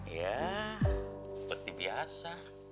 ya seperti biasa